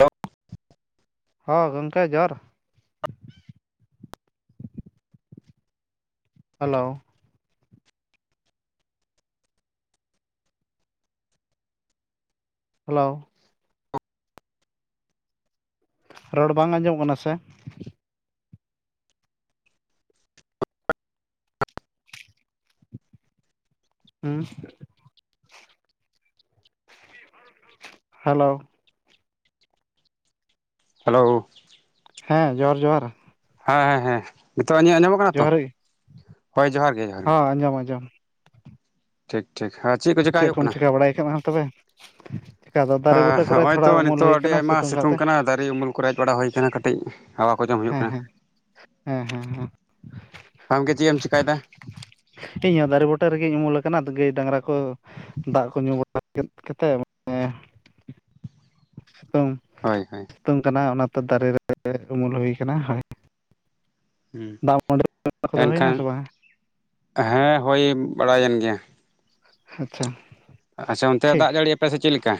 ᱡᱚ [inaudible] ᱦᱚᱸ ᱜᱚᱝᱠᱮ ᱡᱚᱦᱟᱨ ᱦᱮᱞᱳ ᱦᱮᱞᱳ ᱨᱚᱲ ᱵᱟᱝ ᱟᱸᱡᱚᱢ ᱠᱟᱱᱟ ᱥᱮ? ᱦᱩᱸᱻ ᱦᱮᱞᱳ ᱦᱮᱞᱳ ᱦᱮᱸ ᱡᱚᱦᱟᱨ ᱡᱚᱦᱟᱨ ᱦᱮᱸ ᱦᱮᱸ ᱦᱮᱸ ᱱᱤᱛᱚᱜ ᱤᱧᱟᱹᱜ ᱟᱸᱡᱚᱢᱚᱜ ᱠᱟᱱᱟ ᱛᱚ ᱡᱚᱦᱟᱨ ᱜᱮ ᱦᱳᱭ ᱡᱚᱦᱟᱨ ᱜᱮ ᱡᱚᱦᱟᱨ ᱜᱮ᱾ ᱦᱚᱸ ᱟᱸᱡᱚᱢ ᱟᱸᱡᱚᱢ ᱴᱷᱤᱠ ᱴᱷᱤᱠ ᱟᱨ ᱪᱮᱫ ᱠᱚ ᱪᱮᱠᱟᱭ ᱦᱩᱭᱩᱜ ᱠᱚᱢ ᱠᱟᱱᱟ? ᱪᱤᱠᱟᱹ ᱵᱟᱲᱟᱭ ᱠᱟᱱᱟ ᱛᱚᱵᱮ ᱪᱤᱠᱟ ᱫᱚ ᱫᱟᱨᱮ ᱵᱩᱴᱟᱹ ᱠᱚᱨᱮ ᱦᱚᱸᱜᱼᱚᱭ ᱛᱷᱚᱲᱟ ᱛᱚ ᱩᱢᱩᱞ ᱱᱤᱛᱚᱜ ᱦᱩᱭ ᱟᱹᱰᱤ ᱟᱠᱟᱱᱟ ᱟᱭᱢᱟ ᱠᱟᱛᱮ ᱥᱤᱛᱩᱝ ᱠᱟᱱᱟ ᱫᱟᱨᱮ ᱩᱢᱩᱞ ᱠᱚᱨᱮ ᱦᱮᱡ ᱵᱟᱲᱟ ᱦᱩᱭ ᱠᱟᱱᱟ ᱠᱟᱹᱴᱤᱡ᱾ ᱦᱟᱣᱟ ᱠᱚ ᱡᱚᱢ ᱦᱩᱭᱩᱜ ᱦᱮᱸ ᱠᱟᱱᱟ ᱦᱮᱸ ᱦᱮᱸ ᱦᱮᱸ ᱦᱮᱸ ᱟᱢᱜᱮ ᱪᱮᱫ ᱮᱢ ᱪᱮᱠᱟᱭᱮᱫᱟ? ᱤᱧᱦᱚᱸ ᱫᱟᱨᱮ ᱵᱩᱴᱟᱹ ᱨᱮᱜᱮᱧ ᱩᱢᱩᱞ ᱟᱠᱟᱱᱟ ᱟᱫᱚ ᱜᱟᱹᱭ ᱰᱟᱝᱨᱟ ᱠᱚᱼᱼ ᱫᱟᱜ ᱠᱚ ᱧᱩ ᱵᱟᱲᱟ ᱠᱟᱛᱮᱫᱼᱼ ᱥᱮᱛᱳᱝᱼᱼ ᱦᱳᱭ ᱦᱳᱭ ᱥᱤᱛᱩᱝ ᱠᱟᱱᱟ ᱚᱱᱟᱛᱮ ᱫᱟᱨᱮ ᱨᱮ ᱩᱢᱩᱞ ᱦᱩᱭ ᱟᱠᱟᱱᱟ ᱦᱳᱭ᱾ ᱫᱟᱜ ᱢᱟᱹᱰᱤ ᱠᱚᱫᱚ ᱦᱩᱭᱱᱟ ᱮᱱᱠᱷᱟᱱ ᱥᱮ ᱵᱟᱝ ᱦᱮᱸ ᱦᱳᱭ ᱵᱟᱲᱟᱭᱮᱱ ᱜᱮᱭᱟ᱾ ᱟᱪᱪᱷᱟ ᱟᱪᱪᱷᱟ ᱚᱱᱛᱮ ᱴᱷᱤᱠ ᱫᱟᱜ ᱡᱟᱹᱲᱤᱭ ᱟᱯᱮᱥ ᱥᱮ ᱪᱮᱫ ᱞᱮᱠᱟ?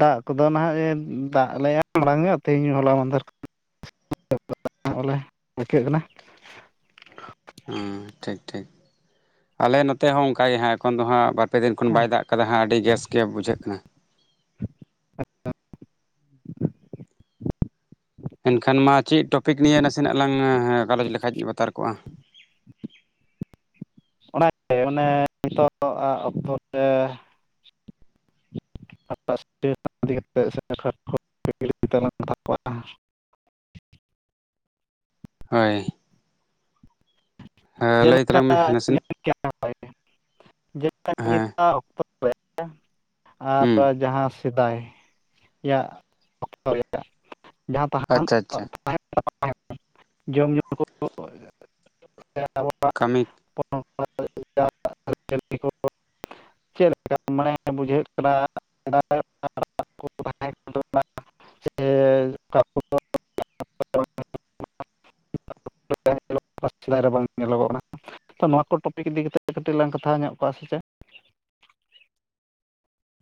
ᱫᱟᱜ ᱠᱚ ᱫᱚ ᱱᱟᱦᱟᱜ ᱮ ᱫᱟᱜ ᱟᱞᱮᱭᱟ ᱢᱟᱲᱟᱝ ᱮ ᱛᱮᱦᱮᱧ ᱦᱚᱞᱟ ᱢᱟᱫᱮᱨᱼᱼ [inaudible] ᱵᱚᱞᱮ ᱟᱹᱣᱠᱟᱹᱜ ᱠᱟᱱᱟ ᱦᱮᱸ ᱴᱷᱤᱠ ᱴᱷᱤᱠ ᱟᱞᱮ ᱱᱚᱛᱮ ᱦᱚᱸ ᱚᱱᱠᱟ ᱜᱮ ᱦᱟᱸᱜ ᱮᱠᱷᱚᱱ ᱫᱚ ᱦᱟᱸᱜ ᱵᱟᱨ ᱯᱮ ᱫᱤᱱ ᱠᱷᱚᱱ ᱵᱟᱭ ᱦᱮᱸ ᱫᱟᱜ ᱠᱟᱫᱟ ᱦᱟᱸᱜ ᱟᱹᱰᱤ ᱜᱮᱥ ᱜᱮ ᱵᱩᱡᱷᱟᱹᱜ ᱠᱟᱱᱟ᱾ ᱮᱱ ᱠᱷᱟᱱ ᱢᱟ ᱪᱮᱫ ᱴᱚᱯᱤᱠ ᱱᱤᱭᱮ ᱱᱟᱥᱮᱱᱟᱜ ᱞᱟᱝ ᱜᱟᱞᱚᱪ ᱞᱮᱠᱷᱟᱡ ᱵᱟᱛᱟᱨ ᱠᱚᱜᱼᱟ ᱚᱱᱟᱜ ᱢᱟᱱᱮ ᱱᱤᱛᱚᱜ ᱚᱠᱛᱚ ᱨᱮ ᱤᱫᱤ ᱠᱟᱛᱮ [inaudible] ᱠᱚᱣᱟ ᱦᱳᱭ ᱞᱟᱹᱭ ᱛᱟᱞᱟᱝ ᱢᱮ ᱡᱮᱞᱮᱠᱟ ᱱᱟᱥᱮᱱᱟᱜ [inaudible] ᱡᱮᱞᱮᱠᱟ ᱦᱮᱸ ᱱᱤᱛᱟᱜ ᱚᱠᱛᱚ [inaudible] ᱟᱨ ᱦᱩᱸ ᱡᱟᱦᱟᱸ ᱥᱮᱫᱟᱭ-ᱟᱜ ᱚᱠᱛᱚ ᱡᱟᱦᱟᱸ ᱛᱟᱦᱮ ᱟᱪᱪᱷᱟ ᱟᱪᱪᱷᱟ [inaudible] ᱛᱟᱦᱮ ᱡᱚᱢ ᱧᱩ ᱠᱚ [inaudible] ᱠᱟᱹᱢᱤ [inaudible] ᱟᱹᱪᱟᱹᱞᱤ ᱠᱚ ᱪᱮᱫ ᱞᱮᱠᱟ ᱢᱟᱱᱮ ᱵᱩᱡᱷᱟᱹᱜ ᱠᱟᱱᱟ [unintelligible] [inaudible] [unintelligible] [unintelligible] ᱧᱮᱞᱚᱜᱚᱜ ᱠᱟᱱᱟ᱾ ᱛᱚ ᱱᱚᱣᱟ ᱠᱚ ᱴᱚᱯᱤᱠ ᱤᱫᱤ ᱠᱟᱛᱮ ᱠᱟᱹᱴᱤᱡ ᱞᱟᱝ ᱠᱟᱛᱷᱟᱣ ᱧᱚᱜ ᱠᱚᱣᱟ ᱥᱮ ᱪᱮᱫᱼᱼ